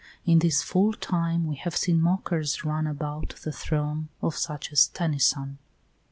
In this full time we have seen mockers run About the throne of such as Tennyson.